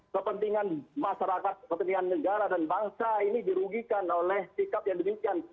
kepentingan masyarakat kepentingan negara dan bangsa ini dirugikan oleh sikap yang demikian